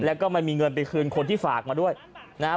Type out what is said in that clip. แล้วก็ไม่มีเงินไปคืนคนที่ฝากมาด้วยนะครับ